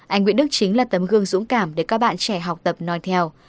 anh nguyễn đức chính là tấm gương dũng cảm để các bạn trẻ học tập nói theo